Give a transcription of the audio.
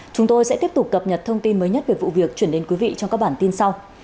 chúng tôi sẽ tiếp tục cập nhật thông tin mới nhất về vụ việc chuyển đến quý vị trong các bản tin sau